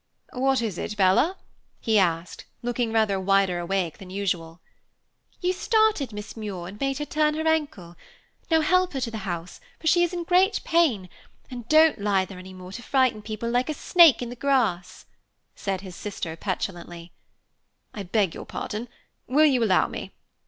"What is it, Bella?" he asked, looking rather wider awake than usual. "You startled Miss Muir and made her turn her ankle. Now help her to the house, for she is in great pain; and don't lie there anymore to frighten people like a snake in the grass," said his sister petulantly. "I beg your pardon. Will you allow me?"